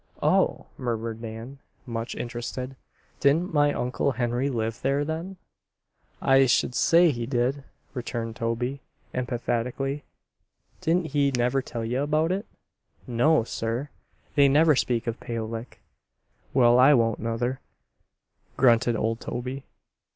"Oh!" murmured Nan, much interested. "Didn't my Uncle Henry live there then?" "I sh'd say he did," returned Toby, emphatically. "Didn't he never tell ye about it?" "No, sir. They never speak of Pale Lick." "Well, I won't, nuther," grunted old Toby.